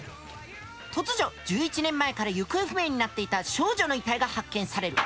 突如１１年前から行方不明になっていた少女の遺体が発見される。